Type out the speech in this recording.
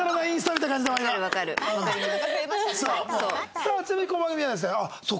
さあちなみにこの番組ではですねそう！